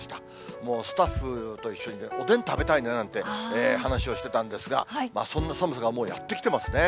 もうスタッフと一緒にね、おでん食べたいねなんて話をしてたんですが、そんな寒さがもうやって来てますね。